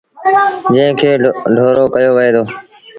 جݩهݩ کي ڍورو ڪهيو وهي دو۔